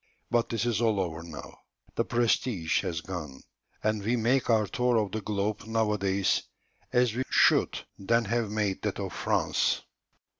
But this is all over now; the prestige has gone, and we make our tour of the globe nowadays as we should then have made that of France."